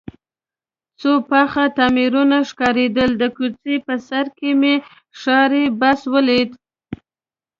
څو پاخه تعمیرونه ښکارېدل، د کوڅې په سر کې مې ښاري بس ولید.